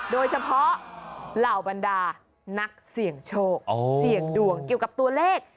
โดยเฉพาะเหล่าบรรดานักเสี่ยงโชคเสี่ยงดวงเกี่ยวกับตัวเลข